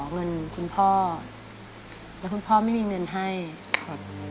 เงินคุณพ่อแล้วคุณพ่อไม่มีเงินให้ครับ